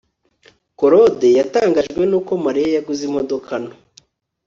claude yatangajwe nuko mariya yaguze imodoka nto